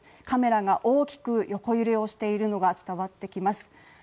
カメラが大きく横揺れをしているのが伝わってきます。